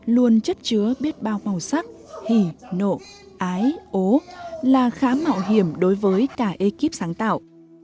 luôn chất chứa biết bao màu sắc hỉ nộ ái ố là khá mạo hiểm đối với cả ekip sáng tạo